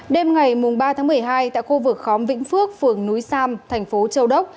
đêm ngày ba tháng một mươi hai tại khu vực khóm vĩnh phước phường núi sam thành phố châu đốc